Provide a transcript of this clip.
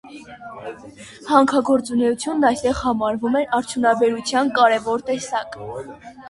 Հանքագործությունն այստեղ համարվում է արդյունաբերության կարևոր տեսակ։